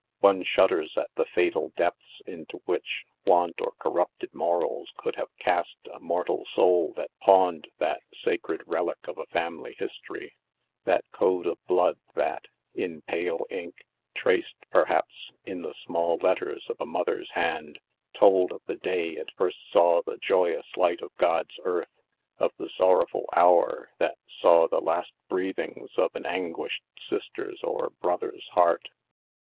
One shudders at the fatal depths into which want or corrupted morals could have cast a mor tal soul that pawned that sacred relic of a family history — that code of blood that, in pale ink, traced, perhaps, in the small letters of a mother'3 hand, told of the day it first saw the joyou3 light of God s earth of the sorrowful hour that saw the last breathings of an an guished sister's or brother's heart.